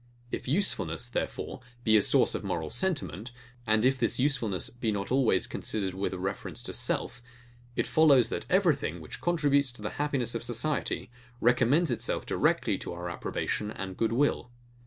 If usefulness, therefore, be a source of moral sentiment, and if this usefulness be not always considered with a reference to self; it follows, that everything, which contributes to the happiness of society, recommends itself directly to our approbation and good will.